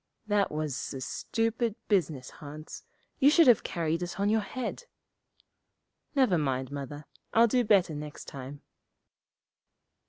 'That was a stupid business, Hans. You should have carried it on your head.' 'Never mind, Mother; I'll do better next time.'